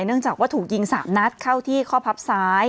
เนื่องจากว่าถูกยิง๓นัดเข้าที่ข้อพับซ้าย